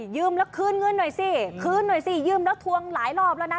ยืมแล้วคืนเงินหน่อยสิคืนหน่อยสิยืมแล้วทวงหลายรอบแล้วนะ